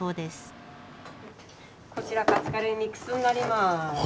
こちらカツカレーミックスになります。